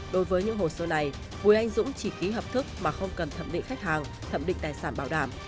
đối với những hồ sơ này bùi anh dũng chỉ ký hợp thức mà không cần thẩm định khách hàng thẩm định tài sản bảo đảm